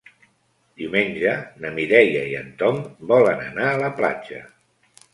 Diumenge na Mireia i en Tom volen anar a la platja.